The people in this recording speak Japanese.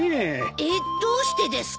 えっどうしてですか？